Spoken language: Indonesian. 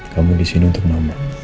kamu di sini untuk mama